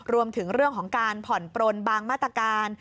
รวมถึงเรื่องของการผ่อนปลนบางมาตรการ